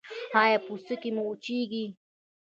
ایا پوستکی مو وچیږي؟